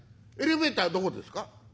エレベーターどこですか？」。